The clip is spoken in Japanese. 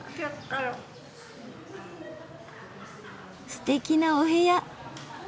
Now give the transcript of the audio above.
すてきなお部屋。